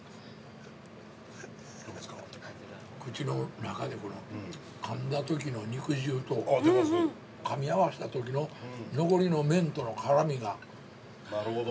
◆口の中で、かんだときの肉汁とかみ合わせたときの、残りの麺との絡みが。